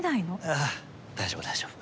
あぁ大丈夫大丈夫。